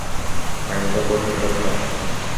Айылда бош имарат бар.